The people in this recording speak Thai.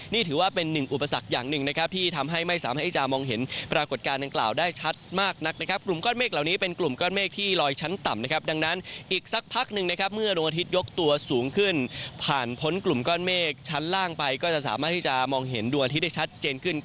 ล่างไปก็จะสามารถที่จะมองเห็นดวงอาทิตย์ได้ชัดเจนขึ้น